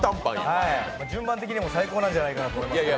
順番的にも最高なんじゃないかと思いますけど。